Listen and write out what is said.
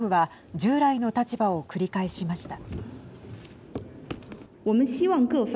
一方、中国は従来の立場を繰り返しました。